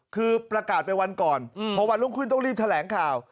คือประกาศไปวันก่อนพอวันรุ่งขึ้นต้องรีบแถลงข่าว